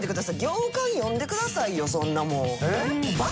行間読んでくださいよそんなもん。